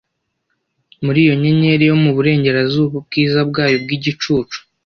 Muri iyo nyenyeri yo mu burengerazuba, ubwiza bwayo bwigicucu,